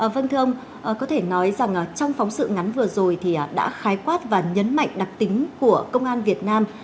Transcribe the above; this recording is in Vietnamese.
vâng thưa ông có thể nói rằng trong phóng sự ngắn vừa rồi thì đã khái quát và nhấn mạnh đặc tính của công an việt nam